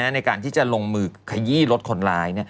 ในการที่จะลงมือขยี้รถคนร้าย